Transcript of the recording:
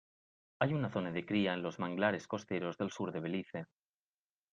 Hay una zona de cría en los manglares costeros del sur de Belice.